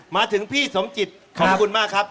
มาถึงพี่สมจิตขอบคุณมากครับ